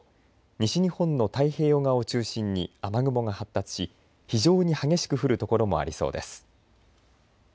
西日本の太平洋側を中心に雨雲が発達し非常に激しく降る所もありそうです。